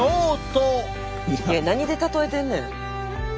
いや何で例えてんねん！